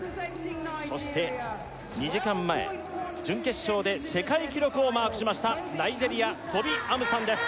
そして２時間前準決勝で世界記録をマークしましたナイジェリアトビ・アムサンです